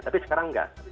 tapi sekarang tidak